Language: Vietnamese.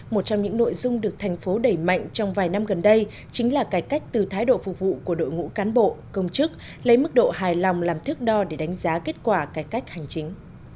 một trong những nội dung được thành phố đẩy mạnh trong vài năm gần đây chính là cải cách từ thái độ phục vụ của đội ngũ cán bộ công chức lấy mức độ hài lòng làm thước đo để đánh giá kết quả cải cách hành chính